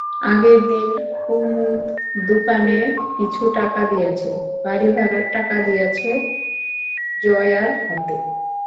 আগের দিন কুমুদ দোকানে কিছু টাকা দিয়াছে, বাড়িভাড়ার টাকা দিয়াছে জয়ার হাতে।